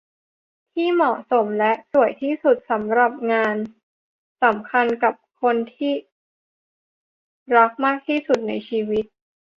ที่เหมาะสมและสวยที่สุดสำหรับงานสำคัญกับคนที่รักมากที่สุดในชีวิต